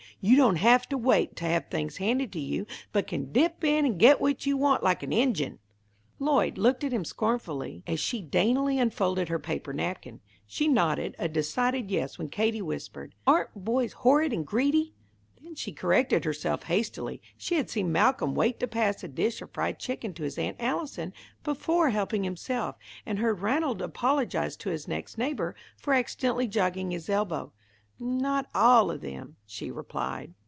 You don't have to wait to have things handed to you, but can dip in and get what you want like an Injun." Lloyd looked at him scornfully as she daintily unfolded her paper napkin. She nodded a decided yes when Katie whispered, "Aren't boys horrid and greedy!" Then she corrected herself hastily. She had seen Malcolm wait to pass a dish of fried chicken to his Aunt Allison before helping himself, and heard Ranald apologise to his next neighbour for accidentally jogging his elbow. "Not all of them," she replied.